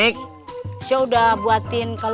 makasih makasih pak universal